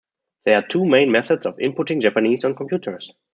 There are two main methods of inputting Japanese on computers.